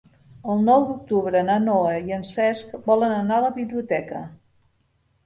El nou d'octubre na Noa i en Cesc volen anar a la biblioteca.